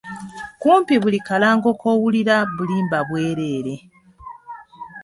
Kumpi buli kalango k'owulira bulimba bwereere.